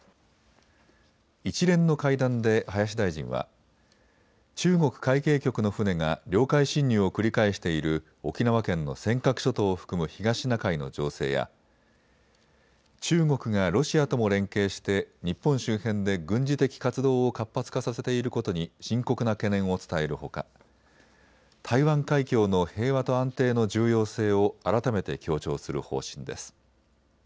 一連の会談で林大臣は中国海警局の船が領海侵入を繰り返している沖縄県の尖閣諸島を含む東シナ海の情勢や中国がロシアとも連携して日本周辺で軍事的活動を活発化させていることに深刻な懸念を伝えるほか台湾海峡の平和と安定の重要性を改めて強調する方針です。